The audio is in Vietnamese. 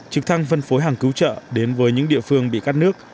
trực thăng phân phối hàng cứu trợ đến với những địa phương bị cắt nước